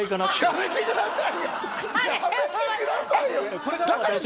やめてくださいよ！